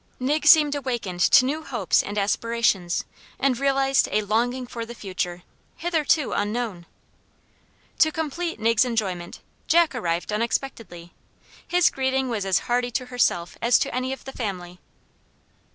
Nig seemed awakened to new hopes and aspirations, and realized a longing for the future, hitherto unknown. To complete Nig's enjoyment, Jack arrived unexpectedly. His greeting was as hearty to herself as to any of the family.